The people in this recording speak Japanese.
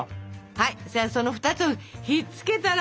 はいじゃあその２つをひっつけたら？